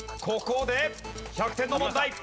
ここで１００点の問題。